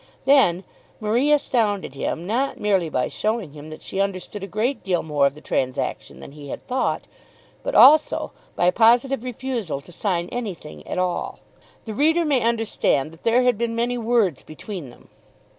Then Marie astounded him, not merely by showing him that she understood a great deal more of the transaction than he had thought, but also by a positive refusal to sign anything at all. The reader may understand that there had been many words between them.